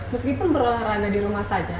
meskipun berolahraga di rumah saja